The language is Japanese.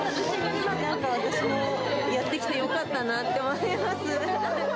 なんか私もやってきてよかったなと思います。